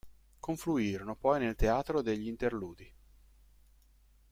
Confluirono poi nel teatro degli interludi.